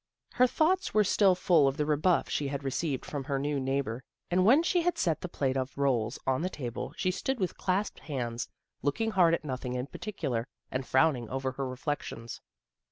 Her thoughts were still full of the rebuff she had received from her new neighbor, and when she had set the plate of rolls on the table she stood with clasped THE GIRL NEXT DOOR 25 hands, looking hard at nothing in particular, and frowning over her reflections.